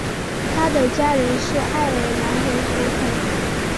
他的家人是爱尔兰和血统。